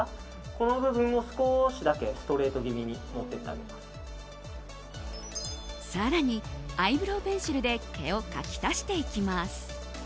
この部分を少しだけストレート気味に更に、アイブローペンシルで毛を描き足していきます。